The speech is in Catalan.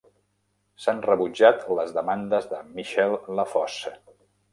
S'han rebutjat les demandes de Michel Lafosse.